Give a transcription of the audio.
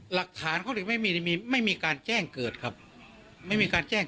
หลักฐานเขาถึงไม่มีมีไม่มีการแจ้งเกิดครับไม่มีการแจ้ง